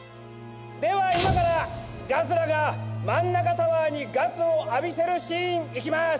ではいまからガスラがマンナカタワーにガスをあびせるシーンいきます。